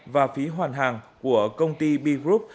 và phí hoàn hàng của công ty b group